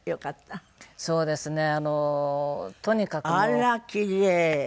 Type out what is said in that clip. あらキレイ！